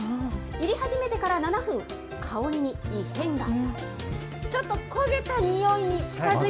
いり始めてから７分、香りに異変が。